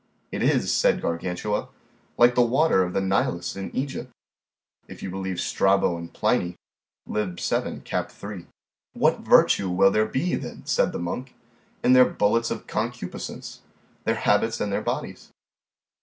It is, said Gargantua, like the water of Nilus in Egypt, if you believe Strabo and Pliny, Lib. 7, cap. 3. What virtue will there be then, said the monk, in their bullets of concupiscence, their habits and their bodies?